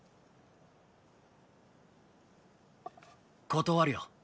断るよ。